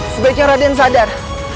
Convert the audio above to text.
sebaiknya raden sadar